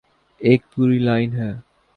ایک پوری لائن ہے۔